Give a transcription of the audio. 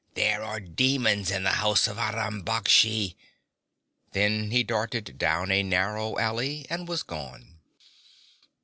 There are demons in the house of Aram Baksh!' Then he darted down a narrow alley and was gone.